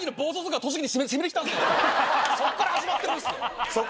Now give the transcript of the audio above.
そっから始まってるんすよ。